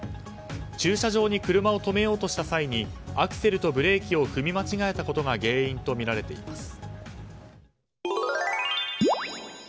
駐車場に車を止めようとした際にアクセルとブレーキを踏み間違えたことが原因とみられています。